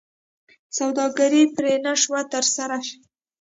سوداګري پرې نه شوه ترسره شي.